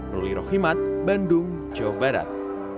ruli rohimat bandung jawa barat